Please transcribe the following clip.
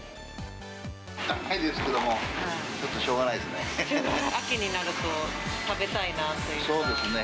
高いですけれども、ちょっとしょうがないですね。